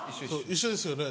一緒ですよね。